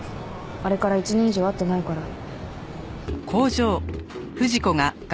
あれから１年以上会ってないから。